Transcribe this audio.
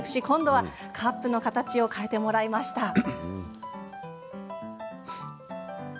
今度は、カップの形を変えてもらいました。